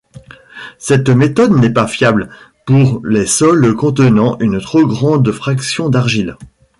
Cette méthode n'est pas fiable pour les sols contenant une trop grande fraction d'argiles.